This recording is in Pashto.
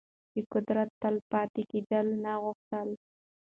د قدرت تل پاتې کېدل يې نه غوښتل.